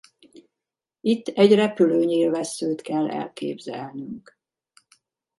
Itt egy repülő nyílvesszőt kell elképzelnünk.